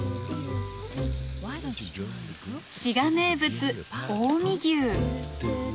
滋賀名物近江牛。